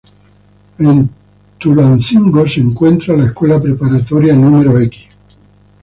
En Tulancingo se encuentran: La Escuela Preparatoria No.